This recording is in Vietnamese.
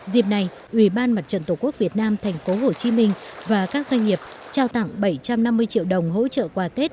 dịp này ủy ban mặt trận tổ quốc việt nam thành phố hồ chí minh và các doanh nghiệp trao tặng bảy trăm năm mươi triệu đồng hỗ trợ quà tết